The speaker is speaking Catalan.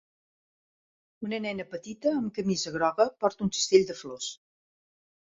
Una nena petita amb camisa groga porta un cistell de flors.